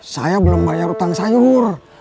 saya belum bayar utang sayur